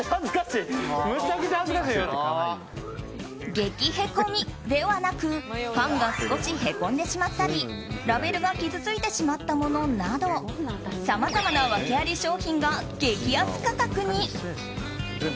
激へこみ！ではなく缶が少しへこんでしまったりラベルが傷ついてしまったものなどさまざまな訳あり商品が激安価格に。